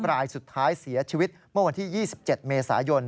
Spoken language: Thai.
รายสุดท้ายเสียชีวิตเมื่อวันที่๒๗เมษายน